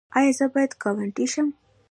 ایا زه باید ګاونډی شم؟